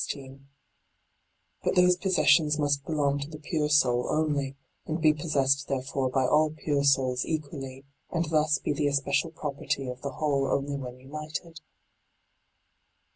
But those possessions must belong to the pure soul only, and be possessed there fore by all pure souls equally, and thus be the especial property of the whole only when united.